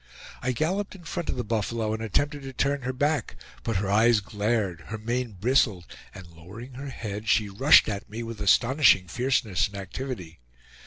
I galloped in front of the buffalo and attempted to turn her back; but her eyes glared, her mane bristled, and lowering her head, she rushed at me with astonishing fierceness and activity.